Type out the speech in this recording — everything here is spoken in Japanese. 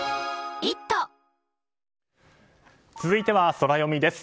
続いてはソラよみです。